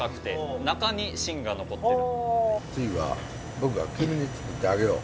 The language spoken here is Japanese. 次は僕が君につくってあげよう！